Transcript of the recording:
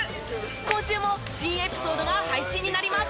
今週も新エピソードが配信になります。